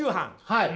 はい。